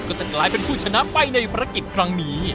จะกลายเป็นผู้ชนะไปในภารกิจครั้งนี้